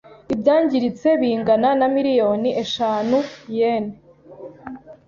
Ibyangiritse bingana na miliyoni eshanu yen.